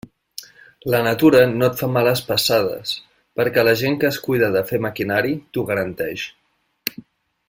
La natura no et fa males passades, perquè la gent que es cuida de fer maquinari t'ho garanteix.